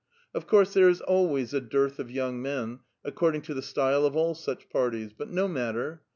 Of course, there is always a dearth of young men, accord ing to the style of all such parties ; but no matter.